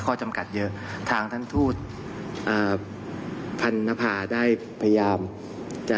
จำกัดเยอะทางท่านทูตอ่าพันนภาได้พยายามจะ